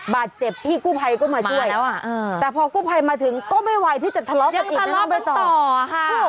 บาดเจ็บพี่กู้ภัยก็มาช่วยแต่พอกู้ภัยมาถึงก็ไม่ไหวที่จะทะเลาะกันอีกแล้วยังทะเลาะต้องต่อค่ะ